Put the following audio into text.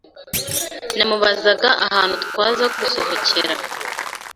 namubazaga ahantu twaza gusohokera